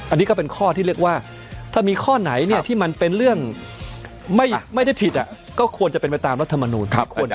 อันนี้ก็เป็นข้อที่เรียกว่าถ้ามีข้อไหนเนี่ยที่มันเป็นเรื่องไม่ได้ผิดก็ควรจะเป็นไปตามรัฐมนูล